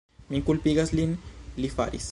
Mi kulpigas lin... li faris!